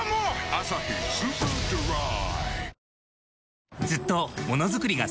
「アサヒスーパードライ」